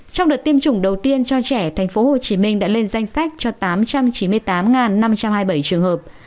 trong đợt tiêm chủng đầu tiên cho trẻ thành phố hồ chí minh đã lên danh sách cho tám trăm chín mươi tám năm trăm hai mươi bảy trường hợp